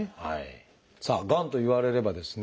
さあがんと言われればですね